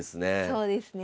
そうですね